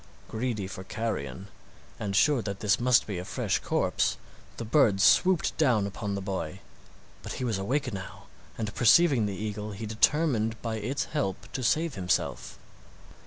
Greedy for carrion, and sure that this must be a fresh corpse, the bird swooped down upon the boy. But he was awake now, and perceiving the eagle, he determined by its help to save himself.